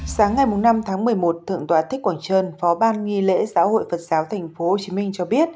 sáng năm một mươi một thượng tòa thích quảng trơn phó ban nghi lễ giáo hội phật giáo tp hcm cho biết